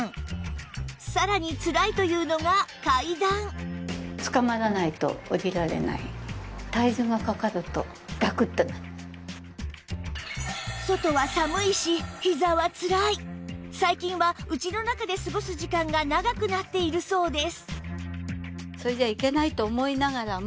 さらにつらいというのが最近は家の中で過ごす時間が長くなっているそうです